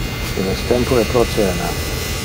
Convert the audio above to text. Il es tempore pro cena.